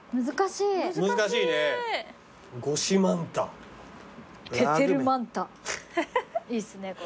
いいですねこれ。